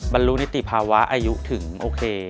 บรรลุนิติภาวะอายุถึงโอเค